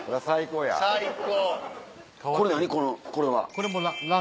これ何？